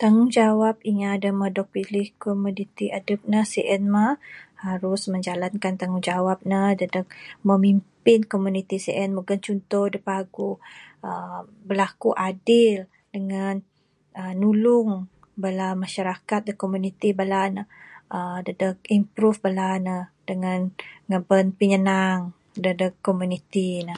Tanggungjawab inya meh dog pilih komuniti adep neh sien mah harus menjalankan tanggungjawab ne dadeg memimpin komuniti sien mugon chunto da paguh uhh berlaku adil dangan uhh nulung bala masyarakat da komuniti bala ne. uhh dadeg improve bala ne dangan ngaban pinyanang dadeg komuniti ne.